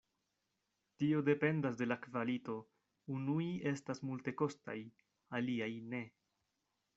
Tio dependas de la kvalito, unuj estas multekostaj, aliaj ne.